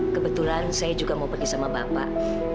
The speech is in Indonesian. kebetulan saya juga mau pergi sama bapak